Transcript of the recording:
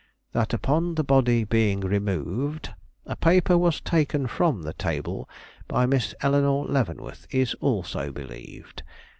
That upon the body being removed, a paper was taken from the table by Miss Eleanore Leavenworth, is also believed.